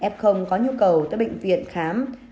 f có nhu cầu tới bệnh viện khám